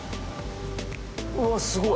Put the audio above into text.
うわっすごい。